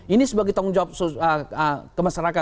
ini sebagai tanggung jawab kemasyarakat